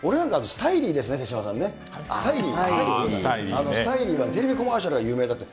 スタイリーはテレビコマーシャルが有名だった。